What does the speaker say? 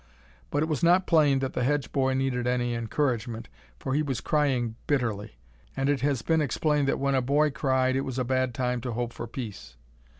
But it was not plain that the Hedge boy needed any encouragement, for he was crying bitterly, and it has been explained that when a boy cried it was a bad time to hope for peace.